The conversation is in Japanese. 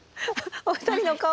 お二人の顔。